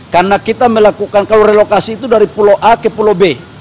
karena kita melakukan kalau relokasi itu dari pulau a ke pulau b